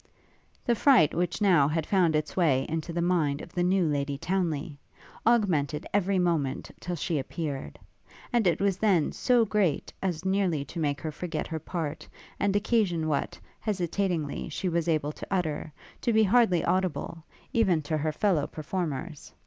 The fright which now had found its way into the mind of the new Lady Townly, augmented every moment till she appeared; and it was then so great, as nearly to make her forget her part, and occasion what, hesitatingly, she was able to utter, to be hardly audible, even to her fellow performers.